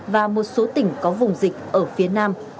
và một số tỉnh có vùng dịch ở phía nam